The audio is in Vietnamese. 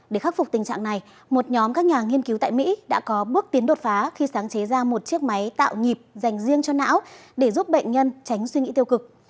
để khắc phục tình trạng này một nhóm các nhà nghiên cứu tại mỹ đã có bước tiến đột phá khi sáng chế ra một chiếc máy tạo nhịp dành riêng cho não để giúp bệnh nhân tránh suy nghĩ tiêu cực